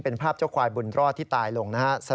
เป็นภาพเจ้าควายบุญรอดที่ตายลงนะฮะ